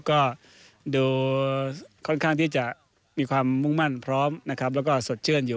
ก็ดูค่อนข้างที่จะมีความมุ่งมั่นพร้อมนะครับแล้วก็สดชื่นอยู่